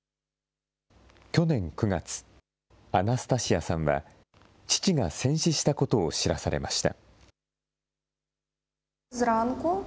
去年９月、アナスタシアさんは、父が戦死したことを知らされました。